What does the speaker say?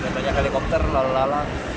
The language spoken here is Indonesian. dari banyak helikopter lalu lalang